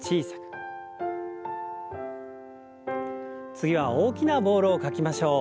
次は大きなボールを描きましょう。